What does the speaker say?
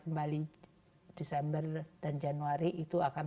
kembali desember dan januari itu akan